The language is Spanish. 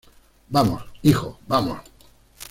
vamos, hijo. vamos.